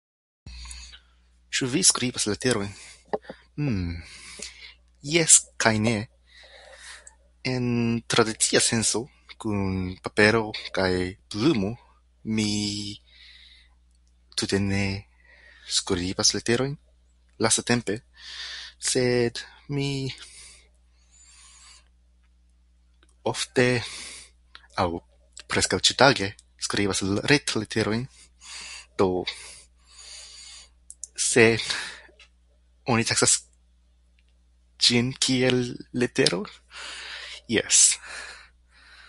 Ĉu vi skribas la leterojn? Hmm... Jes kaj ne. En tradicia senco, kun papero kaj plumo, mi tute ne skribas leterojn lastatempe. Sed mi ofte aŭ preskaŭ ĉiutage skribas retleterojn. Do, se oni taksas ĝin kiel letero, jes.